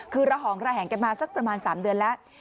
คือระหองระแหงกันมาสักประมาณ๓เดือนแล้ว